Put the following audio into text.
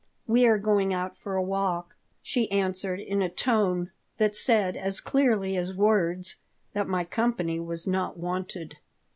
We are going out for a walk," she answered in a tone that said as clearly as words that my company was not wanted.